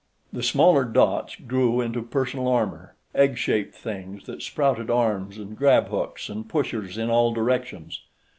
The smaller dots grew into personal armor egg shaped things that sprouted arms and grab hooks and pushers in all directions.